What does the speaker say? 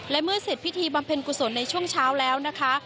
และเมื่อเสร็จพิธีบำเพ็ญกุศลในช่วงเช้าแล้วนะคะ